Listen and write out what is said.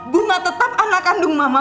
bunga tetap anak kandung mama